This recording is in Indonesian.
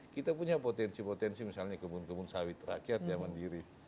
kita punya potensi potensi misalnya kebun kebun sawit rakyat yang mandiri